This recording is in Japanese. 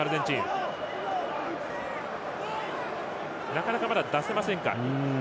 なかなかまだ出せませんが。